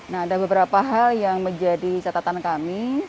nah ada beberapa hal yang menjadi catatan kami